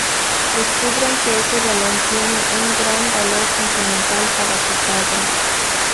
Descubren que ese balón tiene un gran valor sentimental para su padre.